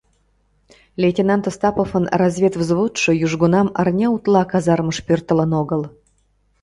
Лейтенант Остаповын разведвзводшо южгунам арня утла казармыш пӧртылын огыл.